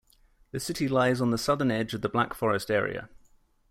The city lies on the southern edge of the Black Forest area.